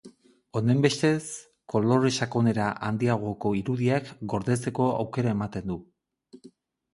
Honenbestez, kolore-sakonera handiagoko irudiak gordetzeko aukera ematen du.